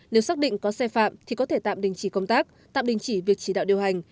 nếu xác định có xe phạm thì có thể tạm đình chỉ công tác tạm đình chỉ việc chỉ đạo điều hành